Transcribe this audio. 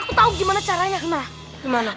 aku tau gimana caranya